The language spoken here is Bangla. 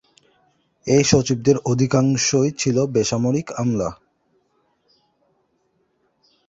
এ সচিবদের অধিকাংশই ছিল বেসামরিক আমলা।